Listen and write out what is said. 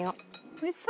おいしそう！